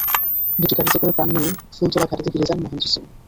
দুটি গাড়িতে করে প্রাণ নিয়ে ফুলতলা ঘাঁটিতে ফিরে যান মাহেন্দ্র সিং।